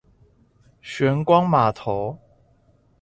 玄光碼頭